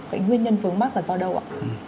cái nguyên nhân vướng mắt và do đâu ạ